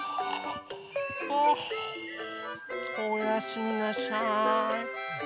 あおやすみなさい。